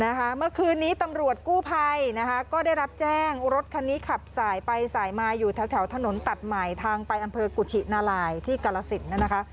เมื่อคืนนี้ตำรวจกู้ภัยนะคะก็ได้รับแจ้งรถคันนี้ขับสายไปสายมาอยู่แถวถนนตัดใหม่ทางไปอำเภอกุชินาลายที่กรสินนะคะ